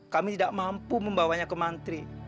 kami tidak mampu membawanya ke mantri